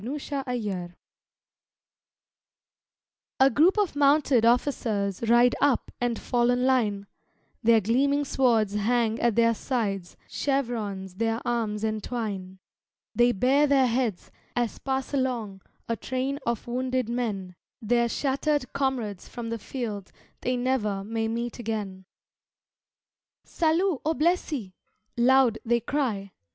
"SALUT AUX BLESSIS" A group of mounted officers Ride up and fall in line; Their gleaming swords hang at their sides, Chevrons their arms entwine; They bare their heads as pass along A train of wounded men, Their shattered comrades from the field They ne'er may meet again. "Salut aux Blessis!" loud they cry.